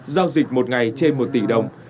giao dịch một ngày trên một tỷ đồng